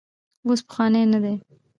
اوس پخوانی نه دی.